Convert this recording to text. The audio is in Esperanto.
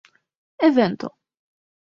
evento